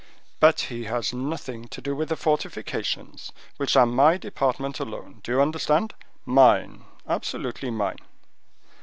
But he has nothing to do with the fortifications, which are my department alone; do you understand? mine, absolutely mine."